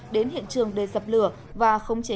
đến hiện trường để dập lửa và không chế